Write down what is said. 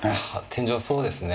天井そうですね。